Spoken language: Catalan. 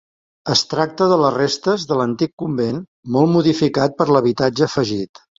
Es tracta de les restes de l'antic convent molt modificat per l'habitatge afegit.